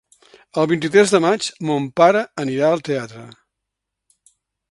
El vint-i-tres de maig mon pare anirà al teatre.